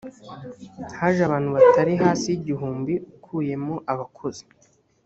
haje abantu batari hasi y’igihumbi ukuyemo abakozi